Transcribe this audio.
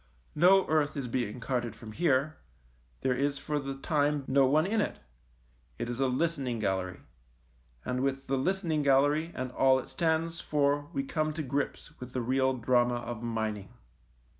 No earth is being carted from here, there is for the time no one in it ; it is a listening gallery, and with the listening gallery and all it stands for we come to grips with the real drama of mining.